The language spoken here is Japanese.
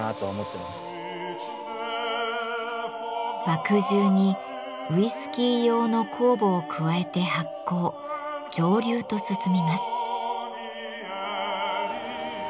麦汁にウイスキー用の酵母を加えて発酵蒸留と進みます。